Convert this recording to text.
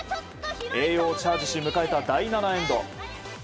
栄養をチャージして迎えた第７エンド。